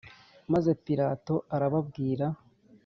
Maze Pilato arababwira .